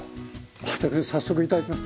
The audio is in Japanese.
早速いただきます。